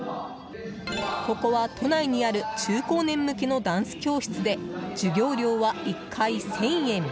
ここは、都内にある中高年向けのダンス教室で授業料は１回１０００円。